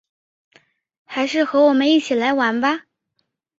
还是和我们一起来玩吧